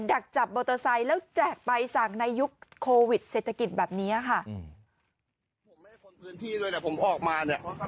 ดักจับมอเตอร์ไซค์แล้วแจกใบสั่งในยุคโควิดเศรษฐกิจแบบเนี้ยค่ะอืม